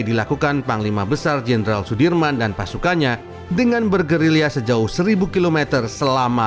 dilakukan panglima besar jenderal sudirman dan pasukannya dengan bergerilya sejauh seribu km selama